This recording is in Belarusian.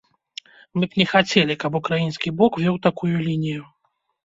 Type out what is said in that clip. Мы б не хацелі, каб украінскі бок вёў такую лінію.